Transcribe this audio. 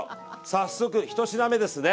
早速１品目ですね。